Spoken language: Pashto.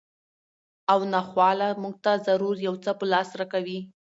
او ناخواله مونږ ته ضرور یو څه په لاس راکوي